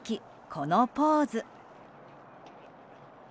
このポーズ。